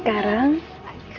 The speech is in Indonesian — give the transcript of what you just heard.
bukan adanya dilupakan tuh aku